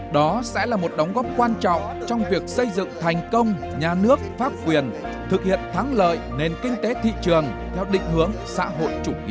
đó sẽ là một đóng góp quan trọng trong việc xây dựng thành công nhà nước pháp quyền thực hiện thắng lợi nền kinh tế thị trường theo định hướng xã hội chủ nghĩa